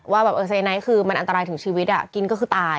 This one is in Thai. ว่าแบบเออไซไนท์คือมันอันตรายถึงชีวิตกินก็คือตาย